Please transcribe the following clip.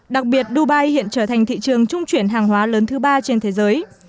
đặc biệt dubai hiện trở thành thị trường trung chuyển hàng hóa lớn thứ ba trên thế giới